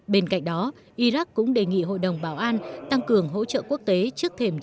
bên cạnh đó iraq cũng đề nghị hội đồng bảo an tăng cường hỗ trợ quốc tế